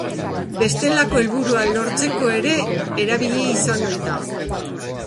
Bestelako helburuak lortzeko ere erabili izan ohi da.